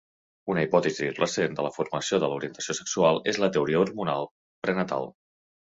Una hipòtesi recent de la formació de l'orientació sexual és la teoria hormonal prenatal.